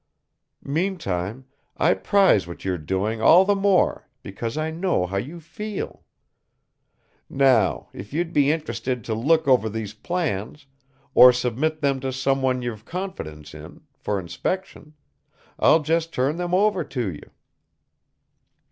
Meantime, I prize what you're doing all the more because I know how you feel. Now, if you'd be interested to look over these plans or submit them to someone you've confidence in, for inspection, I'll just turn them over to you."